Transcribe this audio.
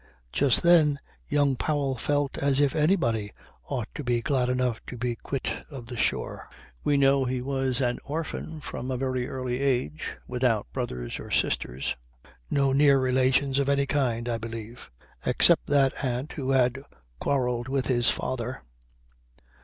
Just then young Powell felt as if anybody ought to be glad enough to be quit of the shore. We know he was an orphan from a very early age, without brothers or sisters no near relations of any kind, I believe, except that aunt who had quarrelled with his father.